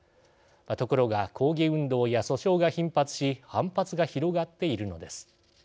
ところが抗議運動や訴訟が頻発し反発が広がっているのです。